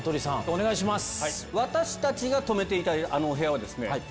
お願いします。